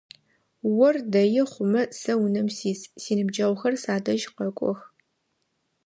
Ор дэи хъумэ сэ унэм сис, синыбджэгъухэр садэжь къэкӏох.